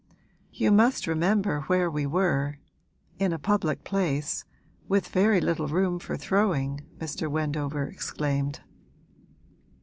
'You must remember where we were in a public place, with very little room for throwing!' Mr. Wendover exclaimed.